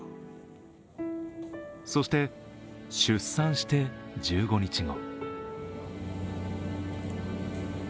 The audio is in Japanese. そして出産して１５日後。